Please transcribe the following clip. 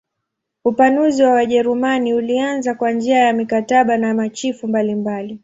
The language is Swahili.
Upanuzi wa Wajerumani ulianza kwa njia ya mikataba na machifu mbalimbali.